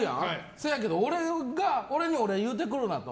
せやけど、俺にお礼を言うてくるなと。